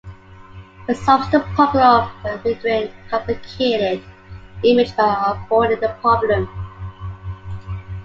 It solves the problem of rendering a complicated image by avoiding the problem.